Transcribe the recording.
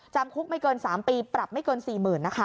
จำคุกไม่เกิน๓ปีปรับไม่เกิน๔๐๐๐นะคะ